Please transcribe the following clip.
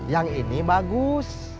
yang ini bagus